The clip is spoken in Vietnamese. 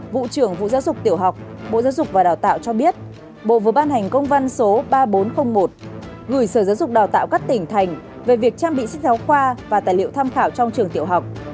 vụ trưởng vụ giáo dục tiểu học bộ giáo dục và đào tạo cho biết bộ vừa ban hành công văn số ba nghìn bốn trăm linh một gửi sở giáo dục đào tạo các tỉnh thành về việc trang bị sách giáo khoa và tài liệu tham khảo trong trường tiểu học